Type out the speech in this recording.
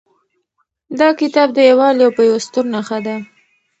دا کتاب د یووالي او پیوستون نښه ده.